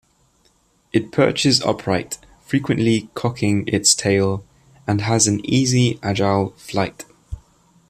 It perches upright, frequently cocking its tail, and has an easy, agile flight.